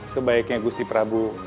sebaiknya gusti prabu